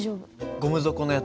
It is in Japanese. ゴム底のやつ？